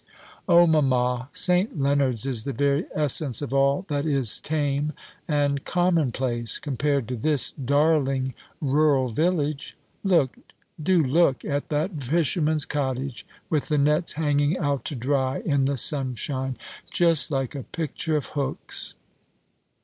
"O mamma, St. Leonards is the very essence of all that is tame and commonplace, compared to this darling rural village! Look, do look, at that fisherman's cottage, with the nets hanging out to dry in the sunshine; just like a picture of Hook's!"